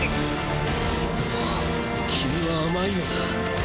そう君は甘いのだ。